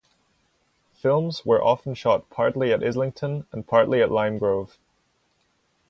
Films were often shot partly at Islington and partly at Lime Grove.